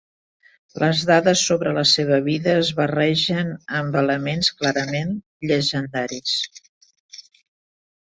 Les dades sobre la seva vida es barregen amb elements clarament llegendaris.